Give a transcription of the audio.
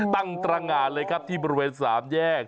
ตั้งตรงานเลยครับที่บริเวณ๓แยก